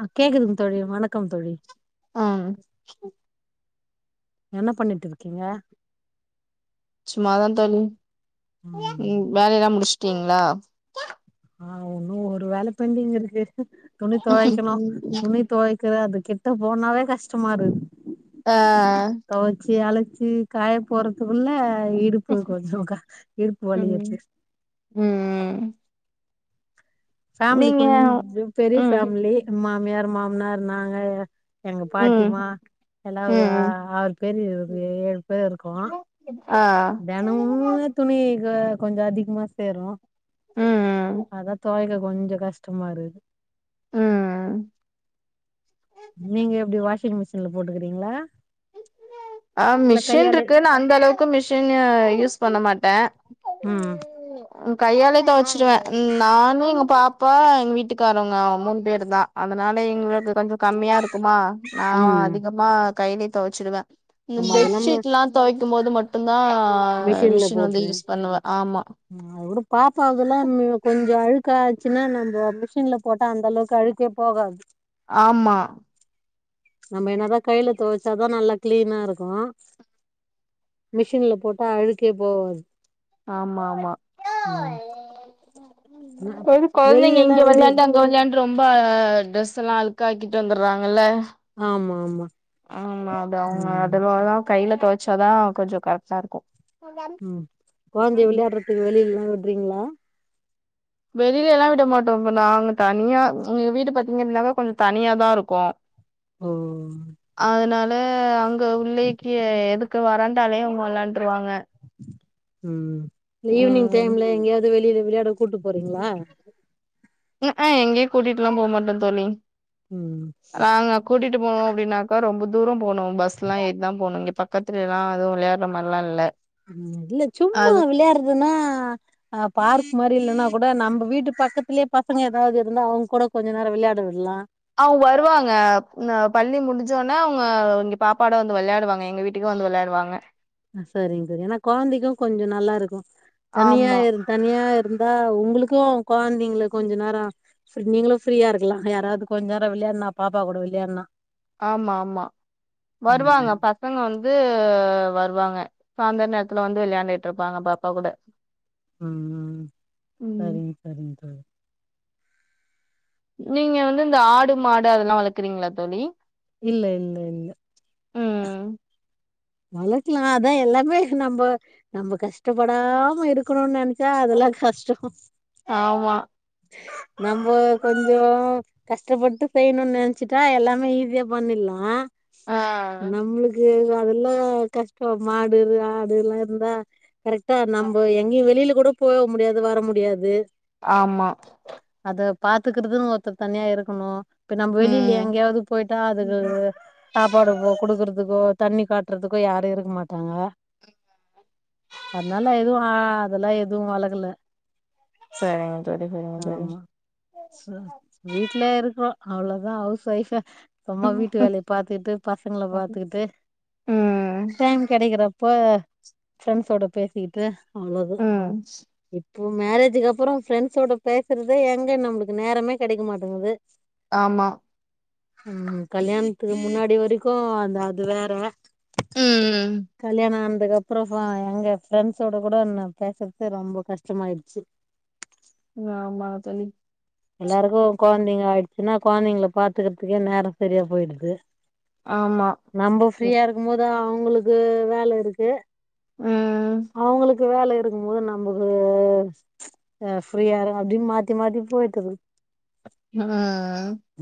ஆ கேக்குதுங்க தோழி வணக்கம் தோழி ஆ என்ன பண்ணிட்ருக் கிங்க சும்மா தா தோழி ம் வேலையெல்லா முடிச்ட்டீங்ளா ஆ ஒன்னு ஒரு வேல பெண்டிங் இருக்கு துணி தொவைக்கனு துணி தொவை கு அது கிட்ட போனாவே கஷ்டமாருக் ஆ தொவச்சி அலசி காய போறதுக்குல்ல அ இடுப்பு கொஞ்சோக்கா இடுப்பு வலி ம் வச்சி ம் ஃபேமிலி நீங்க கொஞ்சோ பெரிய ம் ஃபேமிலி மாமியார் மாமனார் நாங்க எங்க ம் பாட்டிமா எல்லா ஒரு ஆ ம் ஆறு பேரு ஏ ஏழு பேர்ருக்கோ ஆ தெனமுமே துணி கொ கொஞ்ச அதிகமா சேரு ம் ம் அதா தொவைக்க கொஞ்சோ கஷ்டமாருக்கு ம் இதுல போட்டுக்கிறீங்ளா ஆ மிஷின்ருக்கு நா அந்த அளவுக்கு மிஷினு யூஸ் பண்ண மாட்ட ம் ம் கையாலே தொவச்சிருவே நானு எங்க பாப்பா எங்க வீட்டுக்காரவுங்க அவ மூணு பேருதா அதனால எங்களுக்கு கொஞ்சோ கம்மியாருக்குமா நா ம் அதிகமா கையிலயே தொவச்சிருவே இந்த ஆமா அதெல்லாம பெச்ஷீட்லா தொவைக்கு போது மட்டுந்தா மிஷின் வந்து யூஸ் பண்ணுவே ஆமா அத வுடு பாப்பாதெல்லா கொஞ்சோ அழுக்காச்சினா நம்போ மிஷின்ல போட்டா அந்த அளவுக்கு அழுக்கே போகாது ஆமா நம்ம என்னாதா கையில தொவச்சாதா நல்லா கிளீனாருக்கு மிஷின்ல போட்டா அழுக்கே போவாது ஆமாமா ம் நா சேரி கொழந்தைங்க வெளிலல்லா இங்க விடு வெளையாண்டு அங் வெளையாண்டு ரொம்ப ட்ரெஸ் எல்லா அழுக்காக்கிட்டு வந்துறாங்கல்ல ஆமாமா ஆமா அது அவுங்க அதுவா தா கையில தொவச்சாதா கொஞ்சோ கரெக்ட்டாருக்கு ம் கொழந்தைய விளையாட்றதுக்கு வெளியிலல்லா விட்றீங்ளா வெளியல எல்லா விட மாட்டோ இப்ப நாங்க தனியா எங்க வீடு பாத்தீங்கனாவே கொஞ்ச தனியா தாருக்கு ஓ அதனா ல அங்க உள்ளைக்கே எதுக்க வராண்டாலயே அவுங்க வெளாண்ட்ருவாங்க ம் ஈவ்னிங் டைம்ல எங்கயாவது வெளியில விளையாட கூட்டு போறீங்களா ஆ எங்கையு கூட்டிட்டுல்லா போ மாட்டே தோழி ம் அங்க கூட்டிட்டு போனோ அப்டினாக்கா ரொம்ப தூரோ போனு பஸ்லா ஏறிதா போனு இங்க பக் கத்திலியேவா அதுவு வெளையாட்ற மாரிலா இல்ல ம் இல்ல சும்மா அது விளையாட்றதுனா அ பார்க் மாரி இல்லனா கூட நம்ப வீட்டு பக்கத்துலே பசங்க எதாவது இருந்தா அவுங்க கூட கொஞ்சோ நேரோ விளையாட விட்லா அவுங் வருவாங்க பள்ளி முடிஞ்ச ஒனே அவுங்க இங்க பாப்பாட வந்து வெளையாடுவாங்க எங்க வீட் டுக்கே வந்து வெளையாடுவாங்க அ சரிங்க சார் ஏனா கொழந்தைக்கு கொஞ்சோ நல்லாருக்கு தனியா ஆமா இருந் தனியாருந்தா உங்களுக்கும் கொழந்தைங்கள கொஞ்ச நேர ஃப்ரீ நீங்களு ஃப்ரீயாருக்கலா யாராவது கொஞ்ச நேர வெளையாட்னா பாப்பா கூட வெளையாட்னா ஆமா ஆமா வருவாங்க ம் பசங்க வந்து வருவாங்க சாயந்தரநேரத்துல வந்து வெளையாண்டுட்ருப்பாங்க பாப்பா கூட ம் ம் சரிங் சரிங்க சரி நீங்க வந்து இந்த ஆடு மாடு அதெல்லா வளக்கிறீங்களா தோழி இல்ல இல்ல இல்ல ம் வளக்கலா அதா எல்லாமே நம்ப நம்போ கஷ்டப்படாம இருக்கணும்னு நெனை ச்சா அதெல்லா கஸ்டோ ஆமா நம்போ கொஞ்ஜோ கஷ்டப்பட்டு பெய்யணுனு நெனைச்சுட்டா எல்லாமே ஈஸியா பண்ணில்லா ஆ நம்மளுக்கு யா அதெல்லா கஷ்டோ மாடு ஆடுல்லா இருந்தா கரெக்டா நம்போ எங்கேயு வெளிலகூட போவமுடியாது வர முடியாது ஆமா அத பாத்துக்கறதுனு ஒருத்தர் தனியாருக்கணு இப்ப நம்ம வெளியில ம் எங்கயாவது போயிட்டா அதுக்கு சாப்பாடு போ குடுக்குறதுக்கோ தண்ணி காட்றதுக்கோ யாரு இருக்க மாட்டாங்க அதனால எதுவு ஆ அதெல்லா எதுவு வளக்கல சரிங்க தோழி சரிங்க தோழி அ வீட்ல இருக்கிறோ அவ்வளதா ஹவுஸ் ஒய்ஃப சும்மா வீட்டு வேலைய பாத்துக்கிட்டு பசங்கள பாத்துக்கிட்டு ம் டைம் கெடைக்கிறப்ப ஃப்ரெண்ட்ஸோட பேசிக்கிட்டு அவ்வளோதா ம் இப்போ மேரேஜுக்கு அப்பறோ ஃப்ரெண்ட்ஸோட பேசுறதே எங்க நம்மளுக்கு நேரமே கெடைக்க மாட்டேங்குது ஆமா ம் கல்யாணத்துக்கு முன்னாடி வரைக்கு அந்த அது வேற ம் கல்யாணோ ஆனதுக்கப் அப்பறமா எங்க ஃப்ரெண்ட்ஸோட கூட ஏ பேசுறது ரொம்ப கஷ்டமாயிடுச்சு ஆமா தோழி எல்லாருக்கு கொழந்தைங்க ஆயிடுச்சுன்னா கொழந்தைங்கல பாத்துக்கிறதுக்கே நேரோ சரியா போயிடுது ஆமா நம்ம ஃப்ரீயா இருக்கும் போது அவுங்களுக்கு வேல இருக்கு ம் அவுங்களுக்கு வேல இருக்கும் போது நமக்கு அ ஃப்ரீயா இரு அப்டின்னு மாத்தி மாத்தி போயி கிது நம்ம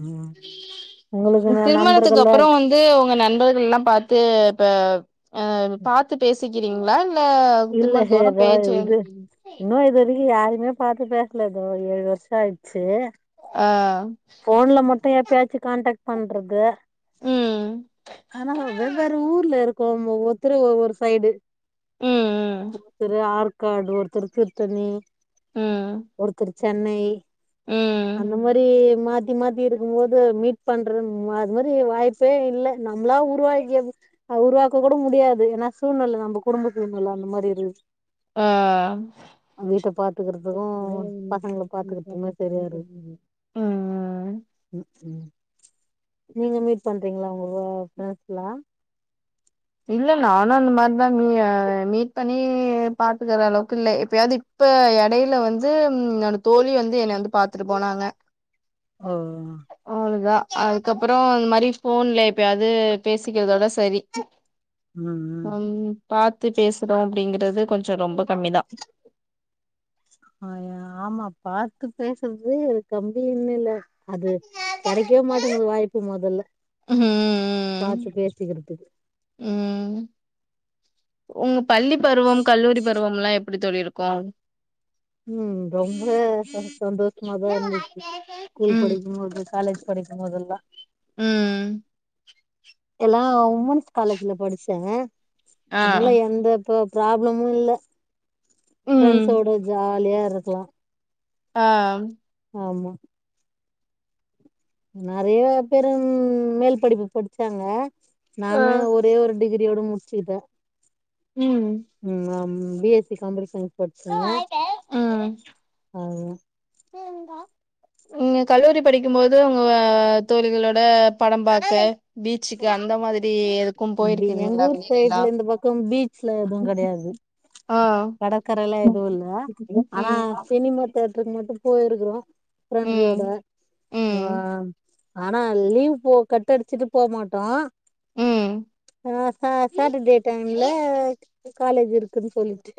ம் உங்களுக்கு ந திருமணத்துக்கு நண்பர்கள்லா அப்பறோ இருக்கு வந் து உங்க நண்பர்கள் எல்லா பாத்து ப அ பாத்து பேசிக்கிறீங்களா இல்ல இல்ல திருமணத்துக்கப்பறோ ஏதா பேச்சு வேணு இது இன்னு இது வரைக்கும் யாரையுமே பாத்து பேசல இது வரையு ஏழு வருஷோ ஆயிருச்சு ஆ போன்ல மட்டு எப்பயாச்சு கான்டாக்ட் பண்றது ம் ஆனா வெவ்வேறு ஊர்ல இருக்கோம் ஒவ்வொருத்தரு ஒவ்வொரு சைடு ம் ம் ஒருத்தரு ஆர்காடு ஒருத்தர் திருத்தணி ம் ம் ஒருத்தர் சென்னை ம் அந்த மாத் த்தி மாத்தி இருக்கும் போது மீட் பண்றது அது மாரி வாய்ப்பே இல்ல நம்மளா உருவாக்கியது அது உருவாக்க கூட முடியாது ஏன்னா சூழ்நில நம்ம குடும்ப சூழ்நில அந்த மாரி இருக்குது ஆ ஆ வீட்ட பாத்துக்கிறதுக்கு பசங்கள பாத்துக்கிறதுக்குமே சரியா இருக்கு ம் ம்கும் நீங்க மீட் பண்றீங்களா உங்க ஃப்ரெண்ட்ஸ் எல்லா இல்ல நானு அந்த மாரிதா மீ மீட் பண்ணி பாத்துக்குற அளவுக்கு இல்ல எப்பயாது இப்ப எடையில வந்து என்னோட தோழி வந்து என்னைய வந்து பாத்துட்டு போனாங்க ஓ அவ்வளதா அதுக்கப்புறோ இந்த மாரி போன்ல எப்பயாது பேசிக்கிறதோட சரி ம் பாத்து பேசுறோ அப்டிங்கிறது கொஞ்சோ ரொம்ப கம்மிதா அ ஆமா பாத்து பேசுறது கம்மினு இல்ல அது கெடைக்கவே மாட்டேங்குது வாய்ப்பு மொதல்ல ம் பாத்து பேசிக்கிறதுக்கு ம் உங்க பள்ளிப் பருவம் கல்லூரி பருவம் எல்லா எப்டி தோழி இருக்கு ம் ரொம்ப ச சந்தோஷமாதா இருந்துச்சு ஸ்கூல் ம் படிக்கும்போது காலேஜ் படிக்கும்போதெல்லா ம் எல்லா உமன்ஸ் காலேஜ்ல படிச்சேங்க ஆ அதனால எந்த ஃப் ராப்ளமு இல்ல ம் ஃப்ரெண்ட்ஸோட ஜாலியா இருக்கலா ஆ ம் ஆமா நெறைய பேரும் மேல் படிப்பு படிச்சாங்க ஆ நானு ஒரே ஒரு டிகிரியோட முடிச்சுக்கிட்டே ம் ம் அம் B S C computer science படிச்ச அவ்ளதா ஏந்த நீங்க கல்லூரி படிக்கும் போது உங்க தோழிகளோட படம் பாக்க பீச்சுக்கு அந்த மாதிரி எதுக்கு பி எங்க போயிருக்கிறீங்களா ஊர் வெளிலலா சைடுல இந்த பக்கோ பீச்லா எதுவு கெடையாது ஆ கடக்கறல்லாம் ம் எதுவுல்ல ஆனா ம் சினிம தேட்டருக்கு மட்டு போயிருக்கிறோ ம் ஃப்ரெண்ட்ஸோட வா ம் ஆனா லீவ் போ கட்டடிச்சுட்டு போமாட்டோ ஆ ச சாட்டர்டே டைம்ல காலேஜ் இருக்குன்னு சொல்லிட்டு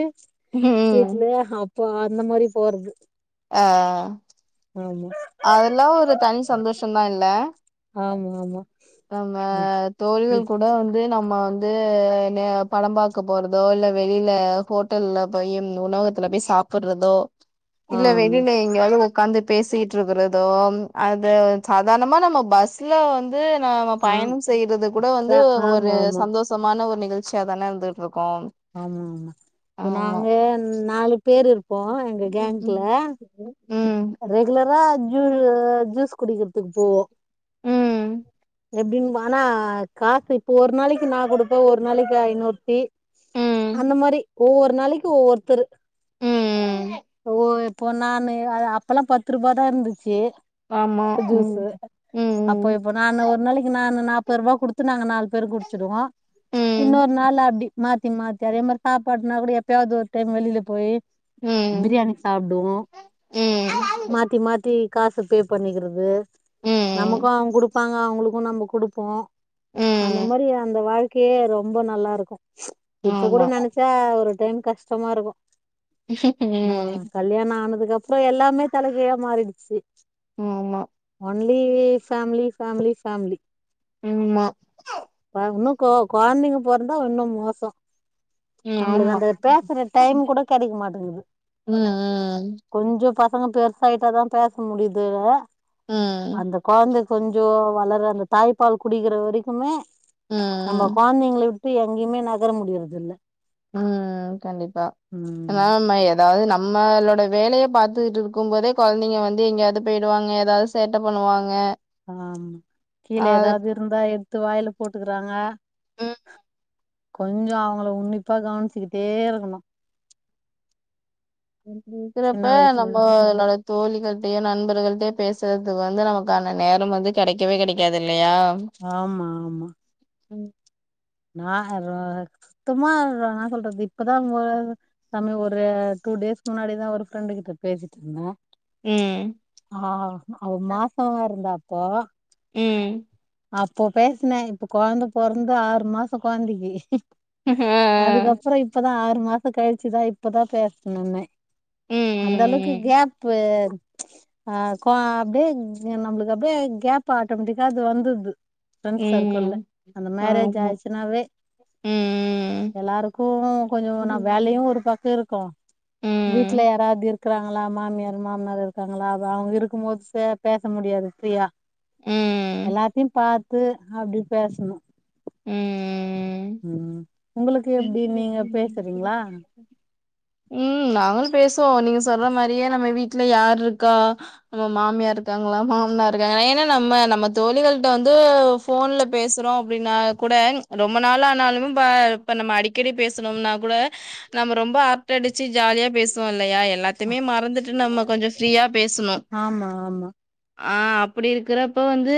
ம் ம் வீட்டலயே அப்போ அந்த மாரி போறது ஆ ஆமா அதெல்லா ஒரு தனி சந்தோஷ தா இல்ல ஆமா ஆமா நம்ம இப் தோழிகள் இப் கூட வந் து நம்ம வந்து நே படம் பாக்க போறதோ இல்ல வெளில ஹோட்டல்ல போய் உணவு கத்துல போய் சாப்பிடுறதோ ஆ இல்ல வெளில எங்கயாவது உக்காந்து பேசிட் டு இருக்கரதோ அது சாதாரணமா நம்ம பஸ்ல வந் து நாம ஆ பயணம் செய்யறது கூட ர வந்து ஒரு ஆமா ஆமா சந்தோ ஷமான ஒரு நிகழ்ச்சியா தானே இருந்துட்டு இருக்கு ஆமா ஆமா இப்ப ஆமா நாங்க நாலு பேர் இருப்போ எங்க கேங்க்ல ம் ரெகுலரா ஜு ஜூஸ் குடிக்கிறதுக்கு போவோ ம் எப்படின்னு ஆனா காசு இப்ப ஒரு நாளைக்கு நா குடுப்பே ஒரு நாளைக்கு ஐநூறொருத்தி ம் ம் அந்த மாரி ஒவ்வொரு நாளைக்கு ஒவ்வொருத்தரு ம் ஓ இப்போ நானு அது அப்பல்லா பத்து ரூபாதா இருந்துச்சு ஆமா ம் ஜூஸ்சு அப்போப் ம் இப்ப நான்னு ஒரு நாளைக்கு நான்னு நாற்பது ரூபா குடுத்து நாங்க நாலு பேர் குடிச்சிடுவோ ம் இன்னொரு நாள் அப்டி மாத்தி மாத்தி அதே மாரி சாப்பாடுனா கூட எப்பயாவது ஒரு டைம் வெளியில போய் ம் ம் பிரியாணி சாப்டுவோ ம் மாத்தி மாத்தி காசு பே பண்ணிக்கிறது நமக்கு ம் அவங்க குடுப்பாங்க அவங்களுக்கு நம்ம குடுப்போ அந்த ம் மாதிரி அந்த வாழ்க்கையே ரொம்ப நல்லாருக்கு இப்ப கூட ஆமா நெனைச் சா ஒரு டைம் கஷ்டமா இருக்கு என்னாவா ம் கல்யாணோ ஆனதுக்கப் ற எல்லாமே தலகீழா மாறிடுச்சு ஆமா ஒன்லி ஃபேமிலி ஃபேமிலி ஃபேமிலி ஆமா பா இன்னு கோ கொழந்தைங்க பொறந்தா இன்னு மோச ம் நம்மளுக்கு ஆமா அந்த பேசுற டைம் கூட கெடைக்க மாட்டேங்குது ம் ம் கொஞ்ஜோ பசங்க பெருசாயிட்டாதா பேச முடியுதுல ம் அந்த கொழந்தை கொஞ் ஜோ வளர அந்த தாய்ப்பால் குடிக்கிற வரைக்குமே நம்ம ம் கொழந்தைங்கள வி ட்டு எங்கேயுமே நகர முடியரதுல்ல ம் கண்டிப்பா ஏனா ம் நம் எ அதாவது நம்மளோட வேலையை பாத்துட்ருக்கும் போதே கொழந்தைங்க வந்து எங்கயாவது போயிடுவாங்க ஏதாவது சேட்டை பண்ணுவாங்க ஆமா கீழே அது ஏதாவது இருந்தா எடுத்து வாயில போட்டுக்கறாங்க கொஞ்ஜோ அவங்கள உன்னிப்பா கவனிச்சுக்கிட்டே இருக்கணு அ சின்ன இருக்கிறப்ப வயசுல நம்மளோட தோழிகள்ட்டயோ நண்பர்கள்ட்டயோ பேசுறதுக்கு வந்து நமக்கான நேரம் வந்து கெடைக்கவே கெடைக்காது இல்லையா ஆமா ஆமா ம் நா சுத்தமா நா சொல்றது இப்பதா [unintelligible] சாமி ஒரு டூ டேஸ்கு முன்னாடிதா ஒரு ஃப்ரெண்டு கிட்ட பேசிட்ருந்தே ம் ஆ அவ மாசமா இருந்தா அப்போ ம் அப்போ பேசுன இப்ப கொழந்த போறந்து ஆறு மாசோ கொழந்தைக்கு அதுக்கப்பற இப்பதா ஆறு மாச கழிச்சுதா இப்பதா பேசுனனே ம் ம் அந்தளவுக்கு ம் கேப்பு அ கோ அப்டியே நம்மளுக்கு அப்டியே கேப் ஆட்டோமேட்டிக்கா அது வந்துடுது ஃப்ரெண்ட்ஸ் சர்க்கிள்ல ம் அந்த மேரேஜ் ஆமா ஆயிருச்சுன்னாவே ம் எல்லாருக்கு கொஞ்சோ நா வேலையு ம் ஒரு பக்க இருக்கு வீ ல ம் யாராவது இருக்கறாங்களா மாமியார் மாமனார் இருக்காங்களா அ அவங்க இருக்கும் போது சே பேச முடியாது ஃப்ரீயா ம் எல்லாத்தையு பாத்து அப்டி பேசணு ம் ம் ம் ம் உங்களுக்கு எப்டி நீங்க பேசுறீங்களா ம் நாங்களும் பேசுவோ நீங்க சொல்ற மாறியே நம்ம வீட்ல யார் இருக்கா நம்ம மாமியா இருக்காங்களா மாமனார் இருக்காங்களா ஏன்னா நம்ம நம்ம தோழிகள்ட்ட வந்து ஃபோன்ல பேசறோ அப்டின்னா கூட ரொம்ப நாள் ஆனாலுமே பா இப்ப நம்ம அடிக்கடி பேசம்ன்னா கூட நம்ம ரொம்ப அர் டடிச்சு ஜாலியா பேசுவோ இல்லையா எல்லாத்தையுமே மறந்துட்டு நம்ம கொஞ்சோ ஃப்ரீயா பேசணு ஆமா ஆமா அ அப்டி இருக்கிறப்ப வந்து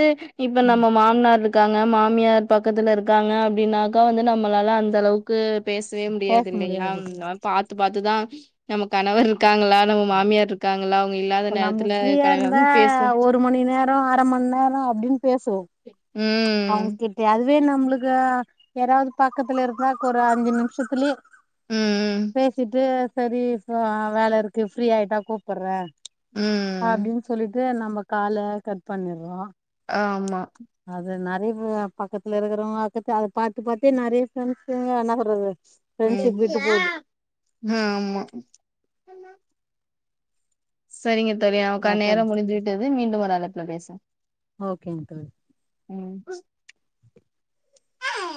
இப்ப ம் நம்ம மாமனாரு க்காங்க மாமியார் பக்கத்துல இருக்காங்க அப்டினாக்கா வந்து நம்மளால அந்த அளவுக்கு பேசவே முடியாது இல்லையா அதுமாரி பாத்து பாத்துதா நம்ம கணவர் இருக்காங்ளா நம்ம மாமியார் இருக் காங்களா அவங்க இல்லாத இப்ப நம்ம நேரத்துல ஃப்ரீயா இருந்தா கலகலன்னு பேசுவோ ஒரு மணி நேரோ அரமண் நேரோ அப்டின்னு பேசுவோ ம். அவங்கிட்ட அதுவே நம்ளுக்கு யாராவது பக்கத்துல இருந்தாக் ஒரு அஞ்சு நிமிஷத்திலே ம். பேசிட்டு செரி இப்ப வேல இருக்கு ஃப்ரீ ஆயிட்டா கூப்பறே ம். அப்டின்னு சொல்லிட்டு நம்ம கால கட் பண்ணிறோ ஆ ஆமா அது நெறைய பக்கத்துல இருக்கிறவங்க அக்கத் அத பாத்து பாத்தே நெறைய ஃப்ண்ஸ்சுங்க என்ன சொல்றது ஃப்ரெண்ட்ஷிப் விட்டு போது ம் ஆமா செரிங்க தோழி ஆ நமக்கான சரி நேரம் முடிஞ்சிவிட்டது மீண்டும் ஒரு அழைப்புல பேசுவோ ஓகேங்க தோழி ம்